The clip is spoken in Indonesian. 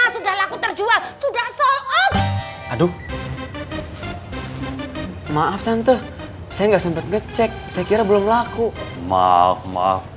sudah laku terjual sudah soal aduh maaf tante saya enggak sempat ngecek saya kira belum laku maaf maaf